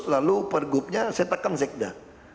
lalu per gubnya saya tekan sekda